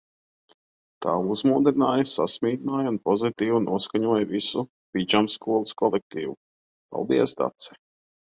Tā uzmundrināja, sasmīdināja un pozitīvi noskaņoja visu pidžamskolas kolektīvu. Paldies, Dace!